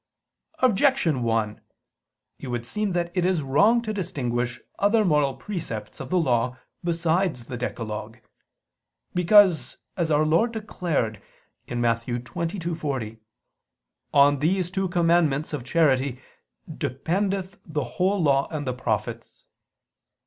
Objection 1: It would seem that it is wrong to distinguish other moral precepts of the law besides the decalogue. Because, as Our Lord declared (Matt. 22:40), "on these two commandments" of charity "dependeth the whole law and the prophets."